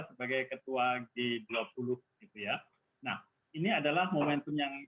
sebagai ketua g dua puluh gitu ya nah ini adalah momentum yang